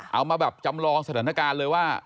เอามาแบบจำลองสถานการณ์เลยว่า